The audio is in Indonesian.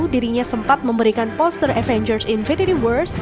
dirinya sempat memberikan poster avengers infinity wars